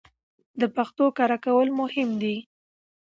د پښتو کره کول مهم دي